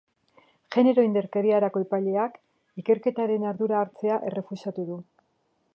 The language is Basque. Genero indarkeriako epaileak ikerketaren ardura hartzea errefusatu du.